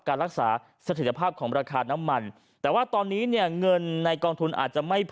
การรักษาสถิตภาพของราคาน้ำมันแต่ว่าตอนนี้เนี่ยเงินในกองทุนอาจจะไม่พอ